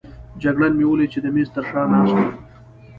جګړن مې ولید چې د مېز تر شا ناست وو.